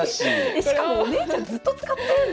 しかもお姉ちゃんずっと使ってるんですねそれ。